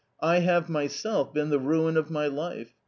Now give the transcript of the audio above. I have myself been the ruin of my life.